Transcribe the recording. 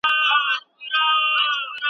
سل عزرائیل وشړم څوک خو به څه نه وايي .